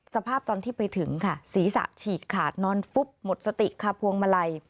สภาพตอนที่ไปถึงค่ะศีรษะฉีกขาดนอนฟุบหมดสติคาพวงมาลัย